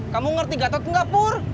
kamu ngerti gatot enggak pur